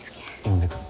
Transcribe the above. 呼んでくる。